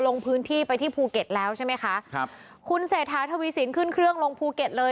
ลงพื้นที่ไปที่ภูเก็ตแล้วใช่ไหมคะครับคุณเศรษฐาทวีสินขึ้นเครื่องลงภูเก็ตเลย